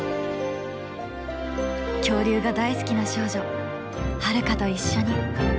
恐竜が大好きな少女ハルカと一緒に。